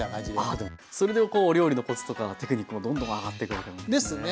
あでもそれでこうお料理のコツとかテクニックもどんどん上がっていくような感じですね。ですね。